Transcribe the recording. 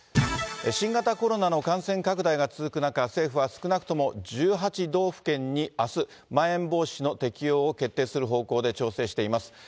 新型コロナの感染拡大が続く中、政府は少なくとも１８道府県にあす、まん延防止の適用を決定する方向で調整しています。